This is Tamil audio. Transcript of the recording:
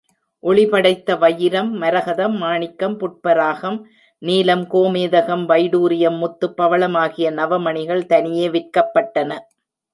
ஒளிபடைத்த வயிரம், மரகதம், மாணிக்கம், புட்பராகம், நீலம், கோமேதகம், வைடுரியம், முத்து, பவளம் ஆகிய நவமணிகள் தனியே விற்கப்பட்டன.